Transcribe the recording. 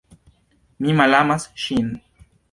Mi malamas ŝin.